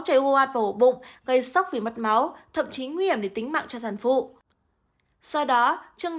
nặng vào ổ bụng gây sốc vì mất máu thậm chí nguy hiểm để tính mạng cho sản phụ do đó trường